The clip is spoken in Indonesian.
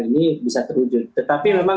ini bisa terwujud tetapi memang